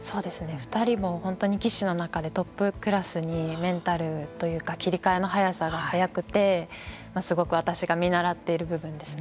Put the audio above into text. ２人も本当に棋士の中でトップクラスにメンタルというか切り替えの早さが早くてすごく私が見習っている部分ですね。